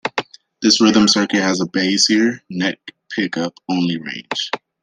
This rhythm circuit has a bassier, neck-pickup only range.